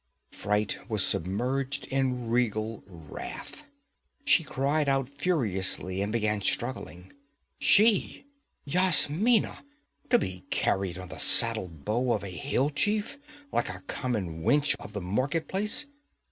Fright was submerged in regal wrath. She cried out furiously and began struggling. She, Yasmina, to be carried on the saddle bow of a hill chief, like a common wench of the market place!